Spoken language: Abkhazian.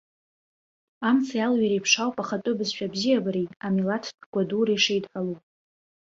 Амцеи алҩеи реиԥш ауп ахатәы бызшәа абзиабареи амилаҭтә гәадуреи шеидҳәалоу.